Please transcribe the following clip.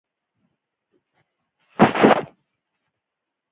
د افغانستان جلکو د افغانستان د ځمکې د جوړښت نښه ده.